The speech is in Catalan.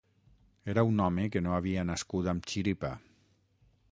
Era un home que no havia nascut amb xiripa